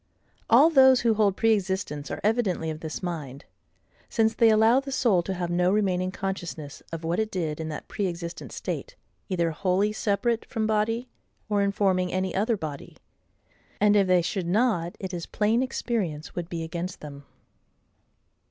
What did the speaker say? All those who hold pre existence are evidently of this mind; since they allow the soul to have no remaining consciousness of what it did in that pre existent state, either wholly separate from body, or informing any other body; and if they should not, it is plain experience would be against them.